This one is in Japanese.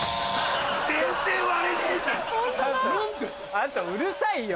あとうるさいよ！